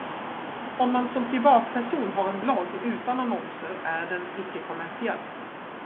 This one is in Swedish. Om man som privatperson har en blogg utan annonser är den icke-kommersiell.